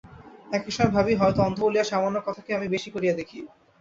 এক এক সময় ভাবি, হয়তো অন্ধ বলিয়া সামান্য কথাকে আমি বেশি করিয়া দেখি।